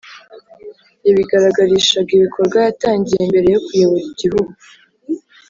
yabigaragarishaga ibikorwa yatangiye mbere yo kuyobora igihugu.